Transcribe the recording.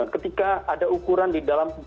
ketika ada ukuran di dalam